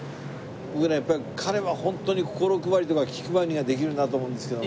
僕ね彼はホントに心配りとか気配りができるなと思うんですけど。